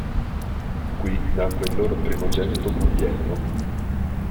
Qui nacque il loro primogenito Guglielmo.